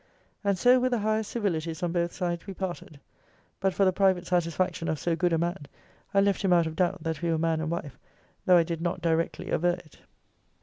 And so, with the highest civilities on both sides, we parted. But for the private satisfaction of so good a man, I left him out of doubt that we were man and wife, though I did not directly aver it.